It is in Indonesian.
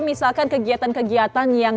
misalkan kegiatan kegiatan yang